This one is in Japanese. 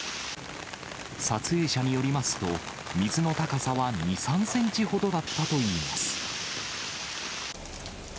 撮影者によりますと、水の高さは２、３センチほどだったといいます。